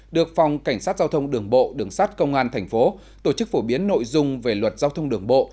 được phòng cảnh sát giao thông đường bộ đường sát công an thành phố tổ chức phổ biến nội dung về luật giao thông đường bộ